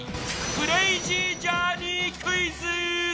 クレイジージャーニークイズ。